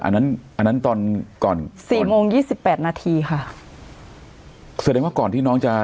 อันนั้นอันนั้นตอนก่อนสี่โมงยี่สิบแปดนาทีค่ะแสดงว่าก่อนที่น้องจะ